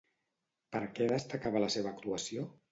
Per què destacava la seva actuació?